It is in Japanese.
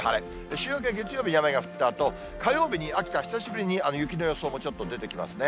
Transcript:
週明け月曜日に雨が降ったあと、火曜日、秋田、久しぶりに雪の予想もちょっと出てきますね。